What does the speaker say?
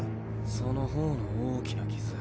その頬の大きな傷